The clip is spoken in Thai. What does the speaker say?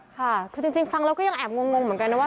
ค่ะคือจริงฟังแล้วก็ยังแอบงงเหมือนกันนะว่า